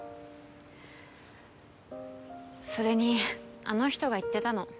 それにあの人が言ってたの。